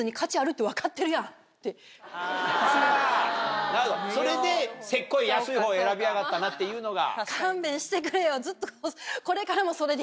あなるほどそれでセコい安い方選びやがったなっていうのが。